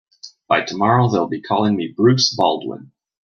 By tomorrow they'll be calling me Bruce Baldwin.